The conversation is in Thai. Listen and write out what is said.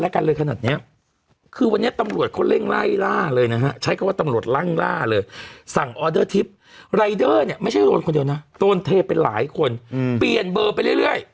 เปลี่ยนเบอร์ไปเรื่อยเปลี่ยนเบอร์ป่วนอะเออ